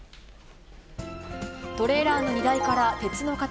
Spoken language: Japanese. トレーラーの荷台から鉄の塊